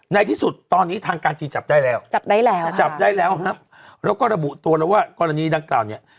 ในที่สุดตอนนี้ทางการจีนจับได้แล้วจับได้แล้วจับได้แล้วครับแล้วก็ระบุตัวแล้วว่ากรณีดังกล่าวเนี่ย